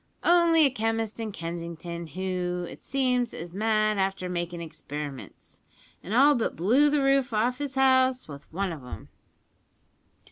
"Only a chemist in Kensington, who, it seems, is mad after makin' experiments, and all but blew the roof off his house with one of 'em."